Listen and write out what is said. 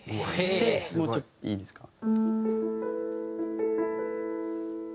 でもうちょっといいですか？